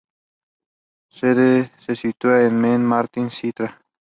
Su sede se sitúa en Mem Martins, Sintra.